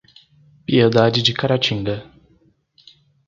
Piedade de Caratinga